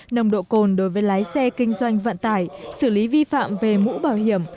nồng độ cồn đối với lái xe kinh doanh vận tải xử lý vi phạm về mũ bảo hiểm